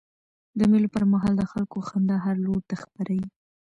د مېلو پر مهال د خلکو خندا هر لور ته خپره يي.